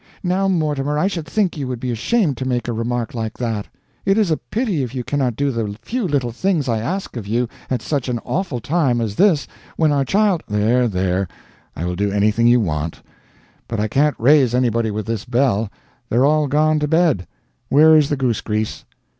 "Now, Mortimer, I should think you would be ashamed to make a remark like that. It is a pity if you cannot do the few little things I ask of you at such an awful time as this when our child " "There, there, I will do anything you want. But I can't raise anybody with this bell. They're all gone to bed. Where is the goose grease?"